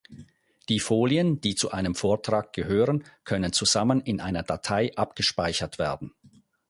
Die Folien, die zu einem Vortrag gehören, können zusammen in einer Datei abgespeichert werden.